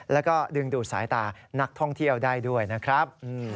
แล้วก็ดึงดูดสายตานักท่องเที่ยวได้ด้วยนะครับ